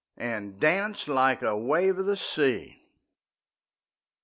'And dance like a wave of the sea.